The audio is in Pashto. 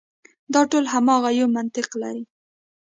دا ټول هماغه یو منطق لري.